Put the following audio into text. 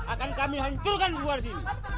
akan kami hancurkan keluar sini